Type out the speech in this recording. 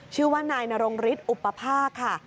ชื่อว่านายนรงฤทธิอุปภาคค่ะ